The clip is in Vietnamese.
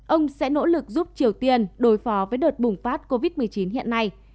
ông sẽ nỗ lực giúp triều tiên đối phó với đợt bùng phát covid một mươi chín hiện nay